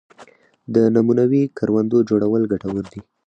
د نمونوي کروندو جوړول ګټور دي